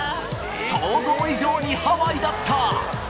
想像以上にハワイだった！